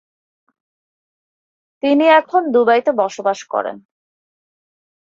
তিনি এখন দুবাইতে বসবাস করেন।